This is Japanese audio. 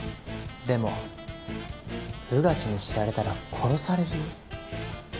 でも穿地に知られたら殺されるよ。